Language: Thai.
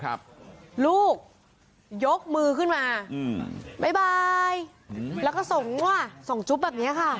แล้วก็ส่งจุ๊บแบบนี้ค่ะ